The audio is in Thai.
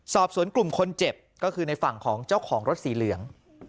สอบสวนกลุ่มคนเจ็บก็คือในฝั่งของเจ้าของรถสีเหลือง